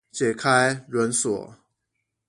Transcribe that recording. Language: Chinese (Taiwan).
解開輪鎖